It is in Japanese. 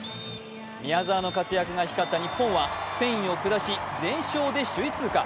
宮澤の活躍が光った日本はスペインを下し全勝で首位通過。